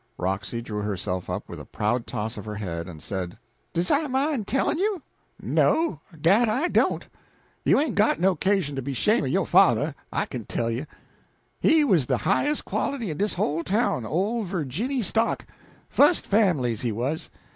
Roxy drew herself up with a proud toss of her head, and said "Does I mine tellin' you? No, dat I don't! You ain't got no 'casion to be shame' o' yo' father, I kin tell you. He wuz de highest quality in dis whole town ole Virginny stock. Fust famblies, he wuz.